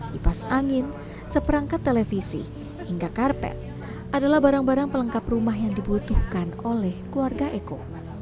kipas angin seperangkat televisi hingga karpet adalah barang barang pelengkap rumah yang dibutuhkan oleh keluarga eko